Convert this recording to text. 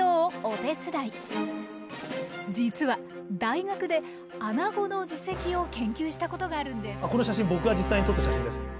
実は大学でアナゴの耳石を研究したことがあるんです。